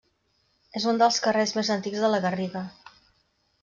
És un dels carrers més antics de La Garriga.